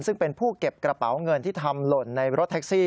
ซึ่งเป็นผู้เก็บกระเป๋าเงินที่ทำหล่นในรถแท็กซี่